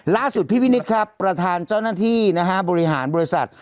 พี่วินิตครับประธานเจ้าหน้าที่นะฮะบริหารบริษัท